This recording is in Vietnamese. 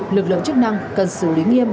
lực lượng chức năng cần xử lý nghiêm